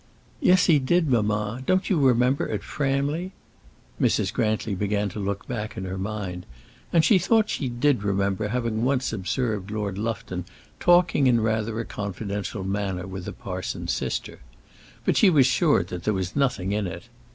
"Yes, he did, mamma! Don't you remember at Framley?" Mrs. Grantly began to look back in her mind, and she thought she did remember having once observed Lord Lufton talking in rather a confidential manner with the parson's sister. But she was sure that there was nothing in it.